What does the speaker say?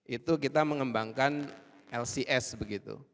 itu kita mengembangkan lcs begitu